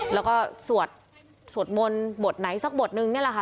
แล้วก็สวดสวดมนต์บทไหนสักบทนึงนี่แหละค่ะ